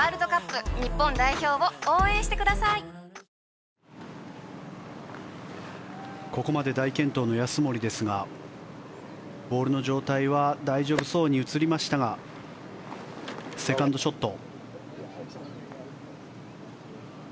最高の渇きにＤＲＹここまで大健闘の安森ですがボールの状態は大丈夫そうに映りましたがセカンドショット。